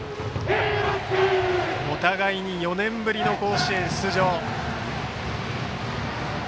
お互いに４年ぶりの甲子園出場。